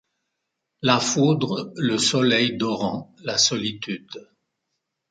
La foudre, le soleil dorant-la solitude